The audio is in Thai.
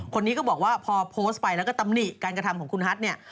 คนนี้ก็บอกว่าพอโพสต์ไปแล้วก็ตำหนิการกระทำของคุณฮัทเนี่ย